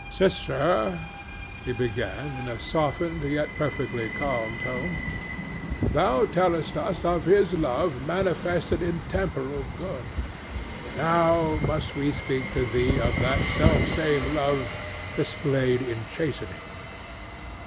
"Sister," he began, in a softened yet perfectly calm tone, "thou tellest us of his love manifested in temporal good, and now must we speak to thee of that selfsame love displayed in chastenings.